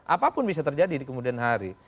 apapun bisa terjadi di kemudian hari